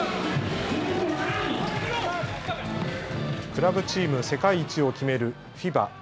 クラブチーム世界一を決める